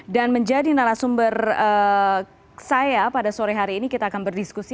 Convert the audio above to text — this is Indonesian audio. dan menjadi narasumber saya pada sore hari ini kita akan berdiskusi